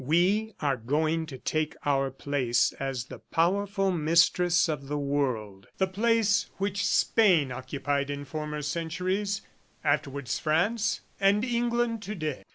We are going to take our place as the powerful Mistress of the World, the place which Spain occupied in former centuries, afterwards France, and England to day.